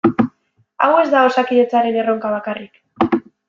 Hau ez da Osakidetzaren erronka bakarrik.